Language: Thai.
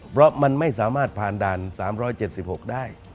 เพราะมันไม่สามารถผ่านด่าน๓๗๖ได้